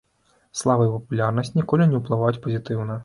Слава і папулярнасць ніколі не ўплываюць пазітыўна.